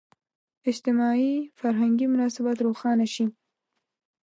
اجتماعي – فرهنګي مناسبات روښانه شي.